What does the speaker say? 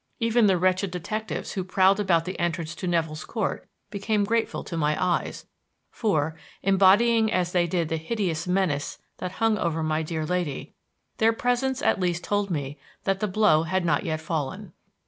Even the wretched detectives who prowled about the entrances to Nevill's Court became grateful to my eyes, for, embodying as they did the hideous menace that hung over my dear lady, their presence at least told me that the blow had not yet fallen.